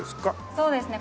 そうですね。